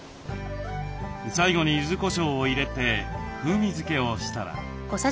最後にゆずこしょうを入れて風味付けをしたら。